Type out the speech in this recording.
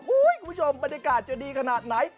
คุณผู้ชมบรรยากาศจะดีขนาดไหน